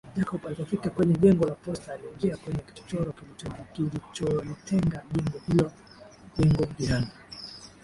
Jacob alipofika kwenye jengo la posta aliingia kwenye kichochoro kilicholitenga jengo hlo jengo jirani